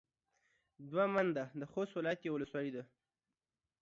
دوه منده د خوست ولايت يوه ولسوالي ده.